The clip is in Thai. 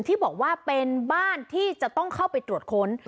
ที่บอกว่าเป็นบ้านที่จะต้องเข้าไปตรวจค้น